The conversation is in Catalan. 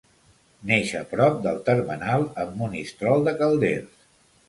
Neix a prop del termenal amb Monistrol de Calders.